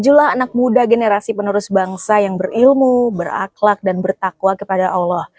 anak muda generasi penerus bangsa yang berilmu berakhlak dan bertakwa kepada allah